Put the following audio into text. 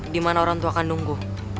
dimana orang tua kandungku